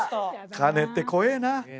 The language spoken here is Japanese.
金って怖えな。